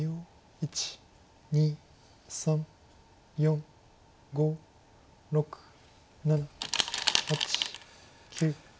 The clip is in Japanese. １２３４５６７８９。